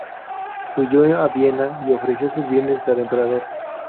Huyó a Viena y ofreció sus bienes al emperador.